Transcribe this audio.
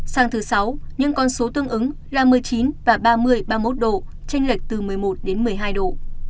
sang thứ sáu nhưng con số tương ứng là một mươi chín và ba mươi ba mươi một độ tranh lệch từ một mươi một đến một mươi hai độ